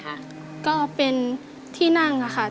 มาพบกับแก้วตานะครับนักสู้งาน